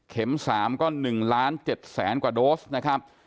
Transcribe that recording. เข็มสามก็๑ล้าน๗๐๐กว่าโดสนะครับ